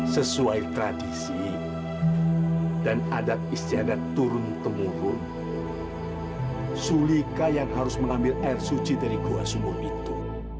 sesuai tradisi dan adat istiadat turun temurun sulika yang harus mengambil air suci dari gua sumur itu